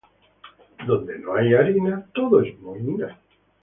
Donde no hay harina, todo es mohina.